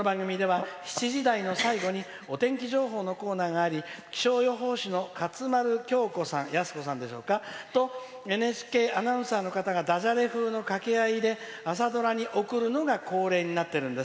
この番組では７時台の最後にお天気情報のコーナーがあり気象予報士の勝丸恭子さんとＮＨＫアナウンサーとダジャレ風の掛け合いで朝ドラに送ることが恒例になってるんです。